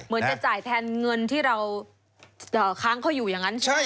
เหมือนจะจ่ายแทนเงินที่เราค้างเขาอยู่อย่างนั้นใช่ไหม